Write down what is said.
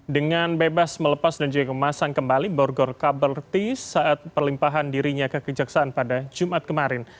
dengan bebas melepas dan juga memasang kembali borgor kabel tea saat perlimpahan dirinya kekejaksaan pada jumat kemarin